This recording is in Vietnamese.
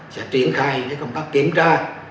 sẽ triển khai công tác kiểm tra